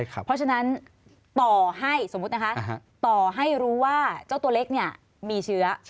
เพราะฉะนั้นต่อให้รู้ว่าเจ้าตัวเล็กมีเชื้อ